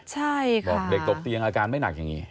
ใช่ค่ะบอกเด็กตกเตียงอาการไม่หนักอย่างนี้